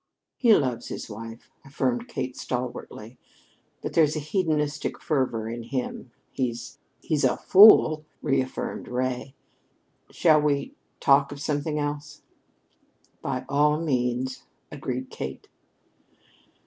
"He loves his wife," affirmed Kate stalwartly. "But there's a hedonistic fervor in him. He's " "He's a fool!" reaffirmed Ray. "Shall we talk of something else?" "By all means," agreed Kate.